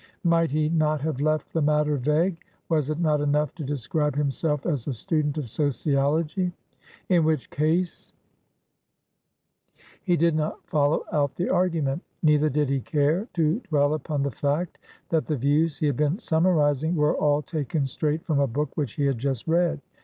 Might he not have left the matter vague? Was it not enough to describe himself as a student of sociology? In which case He did not follow out the argument. Neither did he care to dwell upon the fact that the views he had been summarising were all taken straight from a book which he had just read.